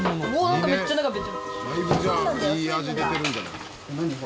だいぶじゃあいい味出てるんじゃない？